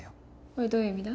おいどういう意味だ？